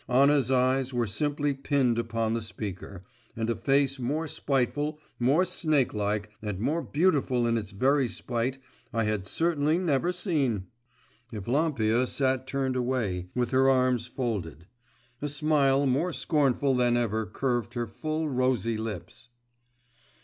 Anna's eyes were simply pinned upon the speaker, and a face more spiteful, more snake like, and more beautiful in its very spite I had certainly never seen! Evlampia sat turned away, with her arms folded. A smile more scornful than ever curved her full, rosy lips.